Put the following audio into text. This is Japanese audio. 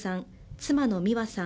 妻の美和さん